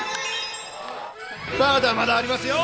まだまだありますよ。